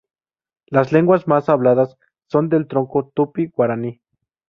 Las lenguas más habladas son del tronco tupí-guaraní.